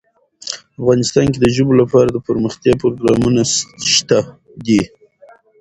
افغانستان کې د ژبو لپاره دپرمختیا پروګرامونه شته دي.